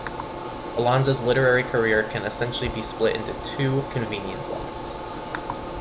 Alonso's literary career can essentially be split into two convenient blocks.